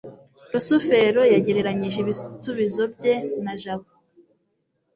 rusufero yagereranije ibisubizo bye na jabo